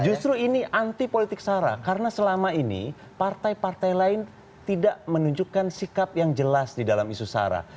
justru ini anti politik sara karena selama ini partai partai lain tidak menunjukkan sikap yang jelas di dalam isu sara